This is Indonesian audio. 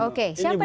oke siapa di beli